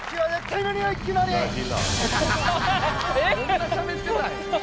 こんなしゃべってたんや。